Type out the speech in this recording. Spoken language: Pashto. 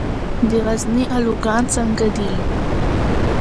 د غزني الوګان څنګه دي؟